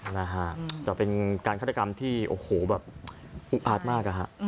นะฮะแต่เป็นการฆาตกรรมที่โอ้โหแบบอุกอาดมากนะฮะ